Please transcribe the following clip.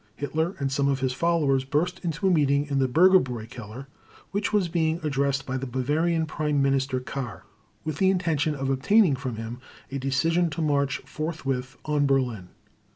Hitler and some of his followers burst into a meeting in the Bürgerbräu Cellar, which was being addressed by the Bavarian Prime Minister Kahr, with the intention of obtaining from him a decision to march forthwith on Berlin.